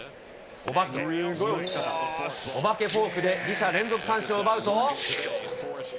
お化けフォークで２者連続三振を奪うと。